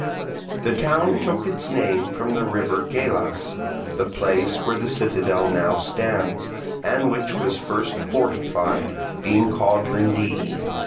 The town took its name from the river Gelas, the place where the citadel now stands, and which was first fortified, being called Lindii.